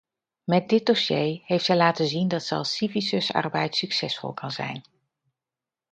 Met dit dossier heeft zij laten zien dat zelfs sisyfusarbeid succesvol kan zijn.